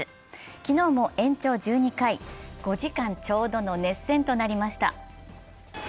昨日も延長１２回、５時間ちょうどの熱戦となりました。